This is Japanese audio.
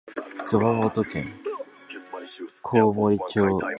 熊本県高森町